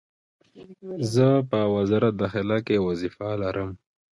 او د سیند د شور ږغ، ستا د شپیلۍ د ږغ سره